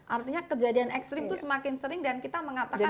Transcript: artinya kejadian ekstrim itu semakin sering dan kita mengatakan